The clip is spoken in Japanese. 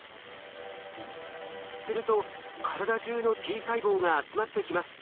すると体じゅうのＴ細胞が集まってきます。